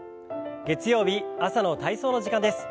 月曜日朝の体操の時間です。